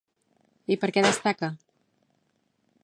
I per què destaca?